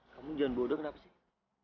kamu jangan bodoh kenapa sih